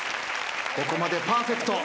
ここまでパーフェクト。